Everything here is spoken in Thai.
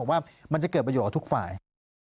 ว่ามันจะเกิดประโยชน์กับทุกฝ่าย